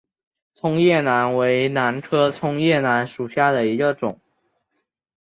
葱叶兰为兰科葱叶兰属下的一个种。